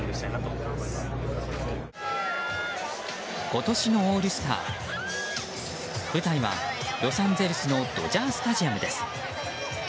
今年のオールスター舞台はロサンゼルスのドジャースタジアムです。